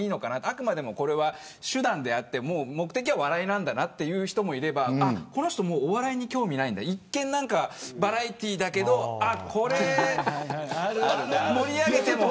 あくまでも手段であって目的は笑いなんだなという人もいればこの人、お笑いに興味ないんだ一見バラエティーだけどこれ、盛り上げても。